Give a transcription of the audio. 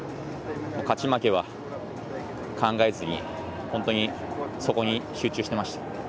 勝ち負けは、考えずに本当にそこに集中していました。